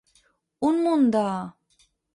Un munt de.